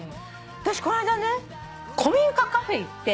私この間ね古民家カフェ行って。